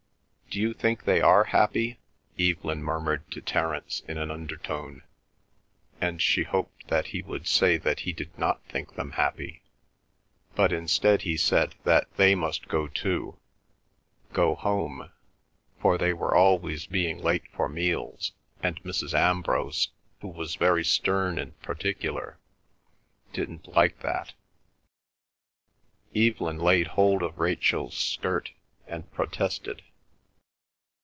"D'you think they are happy?" Evelyn murmured to Terence in an undertone, and she hoped that he would say that he did not think them happy; but, instead, he said that they must go too—go home, for they were always being late for meals, and Mrs. Ambrose, who was very stern and particular, didn't like that. Evelyn laid hold of Rachel's skirt and protested.